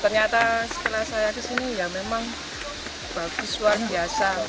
ternyata setelah saya kesini ya memang bagus luar biasa